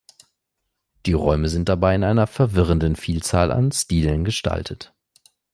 Die Räume sind dabei in einer verwirrenden Vielzahl an Stilen gestaltet.